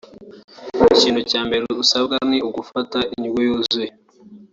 Ikintu cya mbere usabwa ni ugufata indyo yuzuye